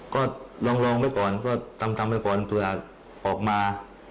ก็ลองไว้ก่อนก็ทำไว้ก่อนเผื่อออกมา